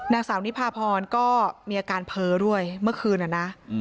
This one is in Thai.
นางสาวนิพาพรก็มีอาการเพ้อด้วยเมื่อคืนนะ